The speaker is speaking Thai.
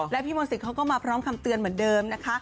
แล้วพี่มนศิษย์เขาก็มาพร้อมคำเตือนเหมือนเดิมนะคะ